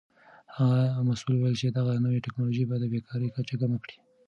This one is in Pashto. هغه مسؤل وویل چې دغه نوې تکنالوژي به د بیکارۍ کچه کمه کړي.